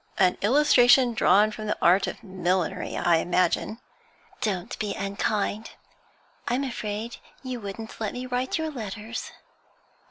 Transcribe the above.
'An illustration drawn from the art of millinery, I imagine.' 'Don't be unkind. I'm afraid you wouldn't let me write your letters?'